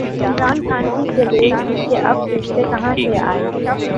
عمران خان کی دلیل تھی کہ اب فرشتے کہاں سے آئیں؟